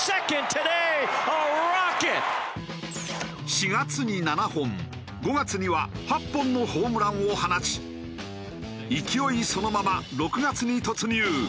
４月に７本５月には８本のホームランを放ち勢いそのまま６月に突入。